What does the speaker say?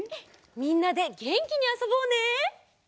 みんなでげんきにあそぼうね！